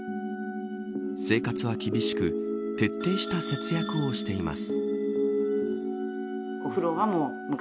生活は厳しく徹底した節約をしています。